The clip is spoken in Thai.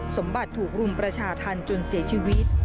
สมบัติถูกรุมประชาธรรมจนเสียชีวิต